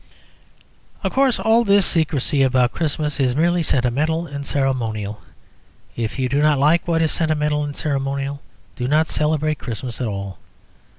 Of course, all this secrecy about Christmas is merely sentimental and ceremonial; if you do not like what is sentimental and ceremonial, do not celebrate Christmas at all.